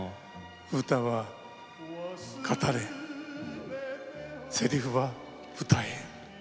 歌は語れ、せりふは歌え。